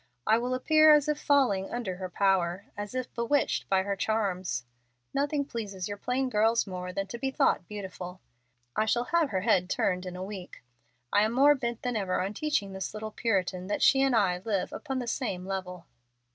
I will appear as if falling under her power; as if bewitched by her charms. Nothing pleases your plain girls more than to be thought beautiful. I shall have her head turned in a week. I am more bent than ever on teaching this little Puritan that she and I live upon the same level."